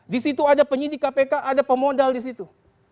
di situ ada penyidik kpk ada pemodal di situ